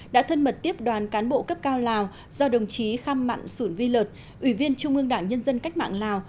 đã thân mật tiếp đoàn cán bộ cấp cao lào do đồng chí khăm mặn sủn vi lợt ủy viên trung ương đảng nhân dân cách mạng lào